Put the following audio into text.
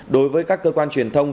đối với các cơ quan truyền thông